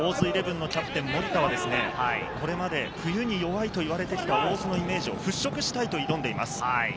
イレブンのキャプテン・森田は、これまで冬に弱いといわれてきた大津のイメージを払拭したいと挑んでいます。